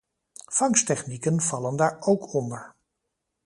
Vangsttechnieken vallen daar ook onder.